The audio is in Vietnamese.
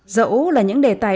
dẫu là những đề tài